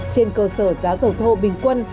trên cơ sở giá dầu thô bình quân